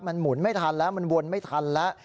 มันหมุนไม่ทันแล้วมันวนไม่ทันแล้ว